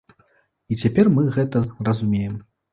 І цяпер мы гэта разумеем!